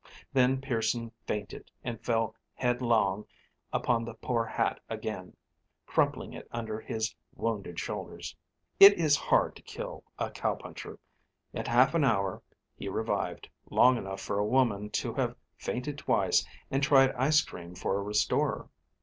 Then Pearson fainted and fell head long upon the poor hat again, crumpling it under his wounded shoulders. It is hard to kill a cowpuncher. In half an hour he revived—long enough for a woman to have fainted twice and tried ice cream for a restorer.